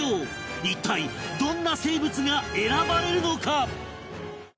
一体どんな生物が選ばれるのか？